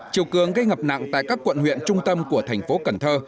chiều cường gây ngập nặng tại các quận huyện trung tâm của thành phố cần thơ